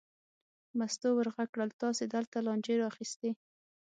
مستو ور غږ کړل: تاسې دلته لانجې را اخیستې.